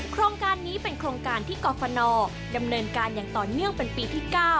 โครงการนี้เป็นโครงการที่กรฟนดำเนินการอย่างต่อเนื่องเป็นปีที่๙